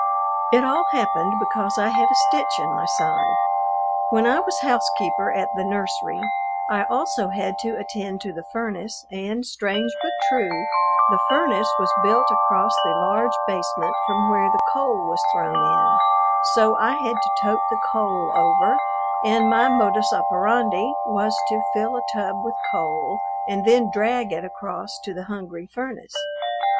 It all happened because I had a stitch in my side. When I was housekeeper at the Nursery, I also had to attend to the furnace, and, strange but true, the furnace was built across the large basement from where the coal was thrown in, so I had to tote the coal over, and my modus operandi was to fill a tub with coal and then drag it across to the hungry furnace.